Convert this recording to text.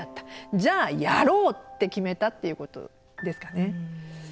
じゃあやろうって決めたっていうことですかね。